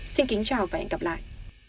xin kính chào và hẹn gặp lại